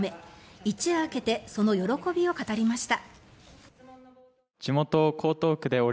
一夜明けてその喜びを語りました。